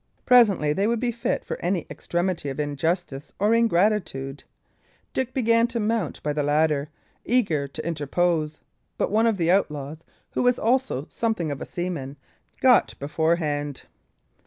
Presently they would be fit for any extremity of injustice or ingratitude. Dick began to mount by the ladder, eager to interpose; but one of the outlaws, who was also something of a seaman, got beforehand.